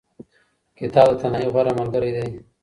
کتاب د تنهایۍ غوره ملګری دی.